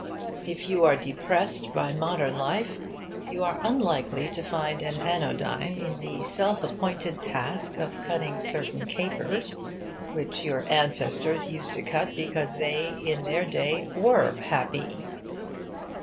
If you are depressed by modern life, you are unlikely to find an anodyne in the self appointed task of cutting certain capers which your ancestors used to cut because they, in their day, were happy.